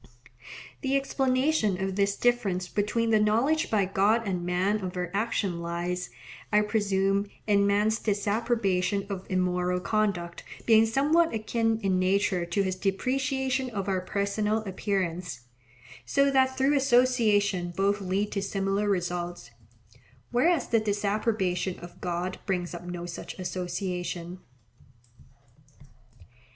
The explanation of this difference between the knowledge by God and man of our actions lies, I presume, in man's disapprobation of immoral conduct being somewhat akin in nature to his depreciation of our personal appearance, so that through association both lead to similar results; whereas the disapprobation of God brings up no such association.